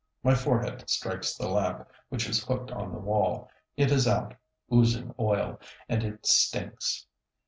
My forehead strikes the lamp, which is hooked on the wall; it is out, oozing oil, and it stinks.